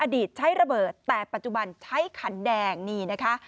ใช้ระเบิดแต่ปัจจุบันใช้ขันแดงนี่นะคะ